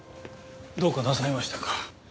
どうかなさいましたか？